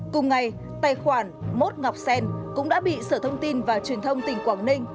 cùng ngày tài khoản mốt ngọc sen cũng đã bị sở thông tin và truyền thông tỉnh quảng ninh